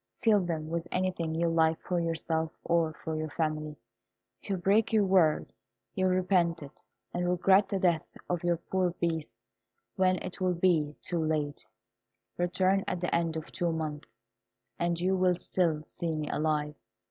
Fill them with anything you like for yourself or for your family. If you break your word you will repent it, and regret the death of your poor Beast when it will be too late. Return at the end of two months, and you will still see me alive.